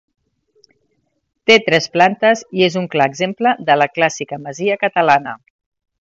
Té tres plantes i és un clar exemple de la clàssica masia catalana.